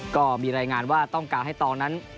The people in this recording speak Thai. ก็มีรายงานว่าต้องการให้ตองนั้น